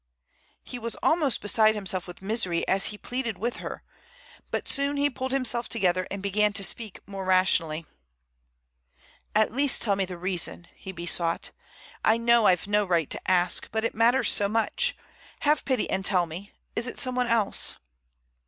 He was almost beside himself with misery as he pleaded with her. But soon he pulled himself together and began to speak more rationally. "At least tell me the reason," he besought. "I know I've no right to ask, but it matters so much. Have pity and tell me, is it someone else?"